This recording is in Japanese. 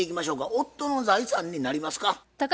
夫の財産になりますか？